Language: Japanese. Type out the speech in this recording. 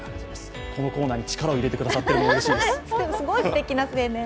このコーナーに力を入れてくださっているのがうれしいです。